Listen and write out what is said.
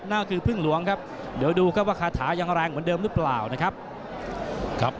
นั่นก็คือพึ่งหลวงครับเดี๋ยวดูครับว่าคาถายังแรงเหมือนเดิมหรือเปล่านะครับครับ